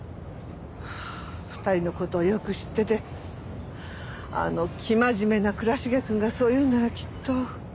ああ２人の事をよく知っててあの生真面目な倉重くんがそう言うんならきっと。